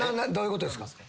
どういうことですか？